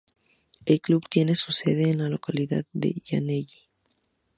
El club tiene su sede en la localidad de Llanelli.